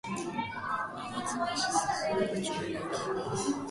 天津橋筋六丁目駅